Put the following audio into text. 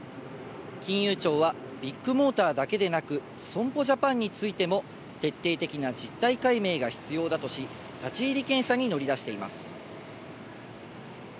金融庁はビッグモーターだけでなく、損保ジャパンについても、徹底的な実態解明が必要だとし、立ち入り検査に乗り出しています。